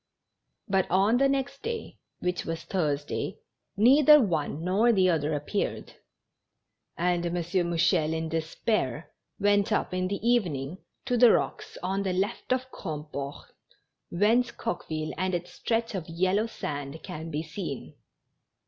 But on the next day, which was Thursday, neither one nor tlie other appeared; and M. Mouchel, in despair, went up in the evening to the rocks on the left of Grand port, whence Coqueville and its stretch of yellow sand can be seen.